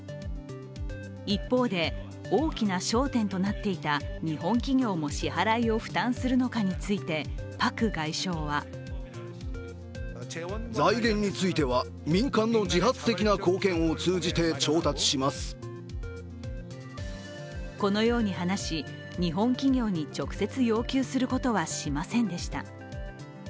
一方で、大きな焦点となっていた日本企業も支払いを負担するのかについてパク外相はこのように話し、日本企業に直接要求することはしませんでした。